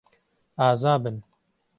ئازا بن.